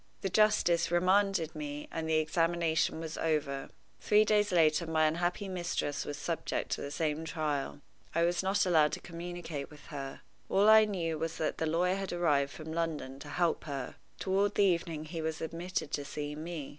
The justice remanded me and the examination was over. Three days later my unhappy mistress was subjected to the same trial. I was not allowed to communicate with her. All I knew was that the lawyer had arrived from London to help her. Toward the evening he was admitted to see me.